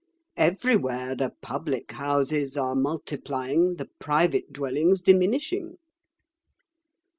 Everywhere the public houses are multiplying, the private dwellings diminishing."